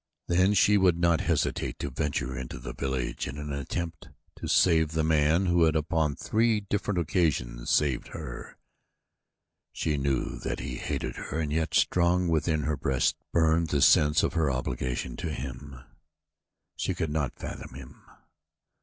Then she would not hesitate to venture into the village in an attempt to save the man who had upon three different occasions saved her. She knew that he hated her and yet strong within her breast burned the sense of her obligation to him. She could not fathom him.